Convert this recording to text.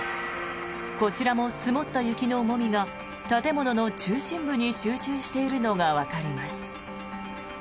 こちらも積もった雪の重みが建物の中心部に集中しているのがわかります。